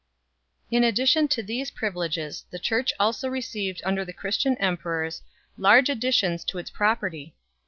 In addition to these privileges the Church also received under the Christian emperors large additions to its pro perty.